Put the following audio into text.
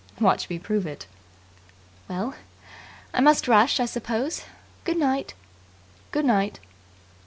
"Watch me prove it." "Well, I must rush, I suppose. Good night!" "Good night!"